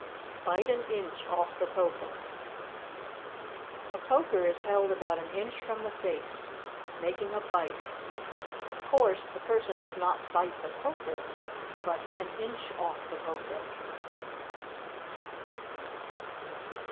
Bite an Inch Off the Poker. A poker is held about an inch from the face, making a bite of course, the person does not bite the poker but "an inch off the poker."